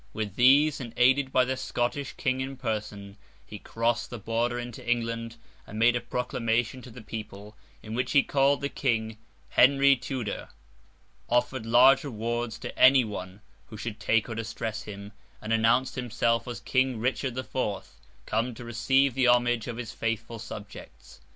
With these, and aided by the Scottish King in person, he crossed the border into England, and made a proclamation to the people, in which he called the King 'Henry Tudor;' offered large rewards to any who should take or distress him; and announced himself as King Richard the Fourth come to receive the homage of his faithful subjects.